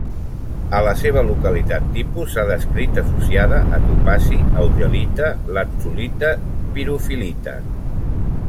A la seva localitat tipus s'ha descrit associada a topazi, augelita, latzulita, pirofil·lita.